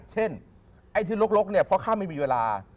เช่นไอ้ที่ลุกเพราะข้าไม่มีเวลา